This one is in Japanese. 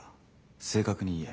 正確に言え。